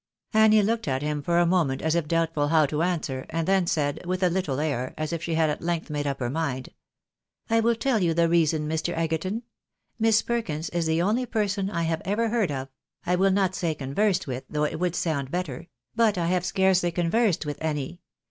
Annie looked at him for a moment as if doubtful how to answer, and then said, with a little air, as if she had at length made up her mind —•" I will tell you the reason, Mr. Egerton. Miss Perkins is the only person I have ever heard of (I will not say conversed with, though it would sound better — but I liave scarcely conversed witli any).